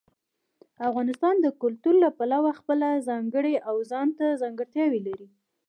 افغانستان د کلتور له پلوه خپله ځانګړې او ځانته ځانګړتیاوې لري.